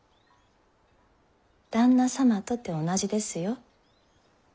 旦那様とて同じですよ。